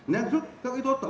năng suất các y tố tổng hợp